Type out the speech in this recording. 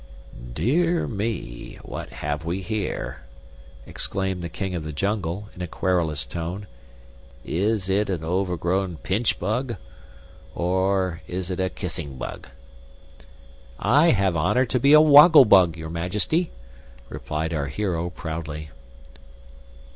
"Dear me, what have we here?" exclaimed the King of the Jungle, in a querulous tone, "Is it an over grown pinch bug, or is it a kissing bug?" "I have the honor to be a Woggle Bug, your Majesty!" replied our hero, proudly.